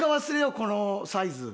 このサイズ。